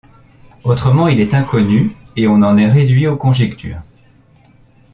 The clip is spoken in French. Autrement, il est inconnu et on en est réduit aux conjectures.